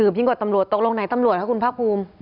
ถือเพียงกว่าตำรวจตกลงไหนตำรวจนะคุณพระภูมิ